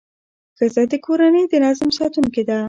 ښځه د کورنۍ د نظم ساتونکې ده.